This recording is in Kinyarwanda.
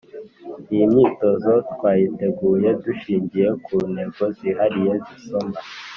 Iyi myitozo twayiteguye dushingiye ku ntego zihariye z’isomo